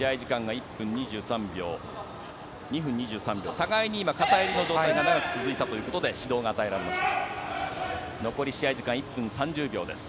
互いに片襟の状態が長く続いたということで指導が与えられました。